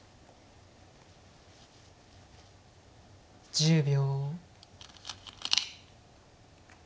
１０秒。